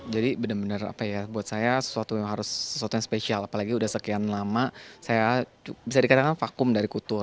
jadi benar benar buat saya sesuatu yang harus sesuatu yang spesial apalagi sudah sekian lama saya bisa dikatakan vakum dari kultur